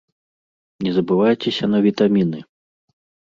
Не забывайцеся на вітаміны.